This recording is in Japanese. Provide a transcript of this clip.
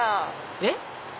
えっ？